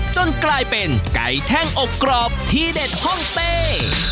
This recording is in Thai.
จนกลายเป็นไก่แท่งอบกรอบทีเด็ดห้องเต้